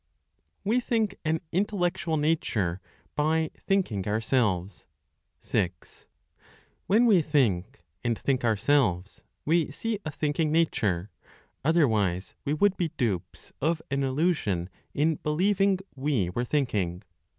WE THINK AN INTELLECTUAL NATURE BY THINKING OURSELVES. 6. When we think, and think ourselves, we see a thinking nature; otherwise, we would be dupes of an illusion in believing we were thinking.